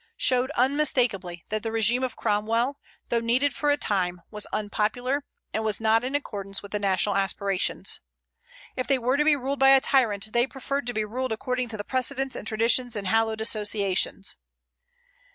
showed unmistakably that the régime of Cromwell, though needed for a time, was unpopular, and was not in accordance with the national aspirations. If they were to be ruled by a tyrant, they preferred to be ruled according to precedents and traditions and hallowed associations.